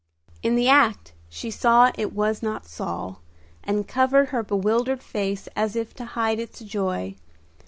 In the act she saw it was not Saul, and covered her bewildered face as if to hide its joy.